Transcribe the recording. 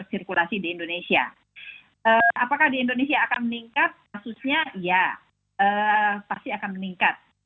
jika kasus meningkat kasusnya ya pasti akan meningkat